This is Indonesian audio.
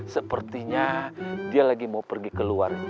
sepertinya dia lagi mau pergi ke luar